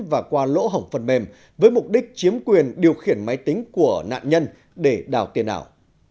và qua lỗ hỏng phần mềm với mục đích chiếm quyền điều khiển máy tính của nạn nhân để đào tiền ảo